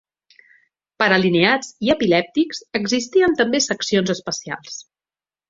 Per alineats i epilèptics existien també seccions especials.